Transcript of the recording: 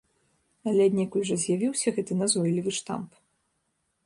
Але аднекуль жа з'явіўся гэты назойлівы штамп?